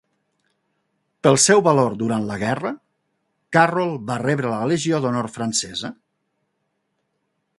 Pel seu valor durant la guerra, Carroll va rebre la Legió d'Honor francesa.